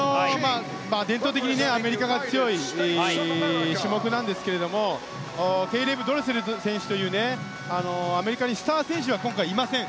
伝統的にアメリカが強い種目なんですけどケイレブ・ドレセル選手というアメリカにスター選手が今回はいません。